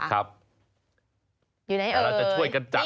เราจะช่วยกันจัด